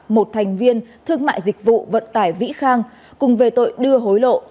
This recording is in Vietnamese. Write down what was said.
một thành viên thương mại dịch vụ vận tải vĩ khang cùng về tội đưa hối lộ